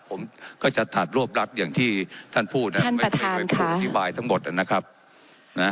ผมก็จะถาดรวบรักอย่างที่ท่านพูดท่านประธานค่ะทั้งหมดอ่ะนะครับน่ะ